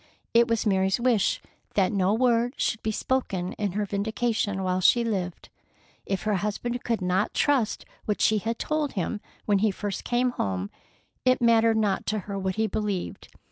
It was Mary's wish that no word should be spoken in her vindication while she lived. If her husband could not trust what she had told him when he first came home, it mattered not to her what he believed.